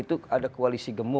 itu harus secara bersama sama